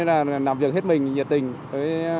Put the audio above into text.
làm việc hết mình nhiệt tình